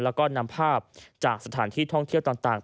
แล้วก็นำภาพจากสถานที่ท่องเที่ยวต่าง